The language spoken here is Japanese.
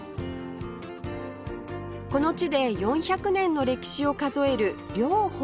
この地で４００年の歴史を数える了法寺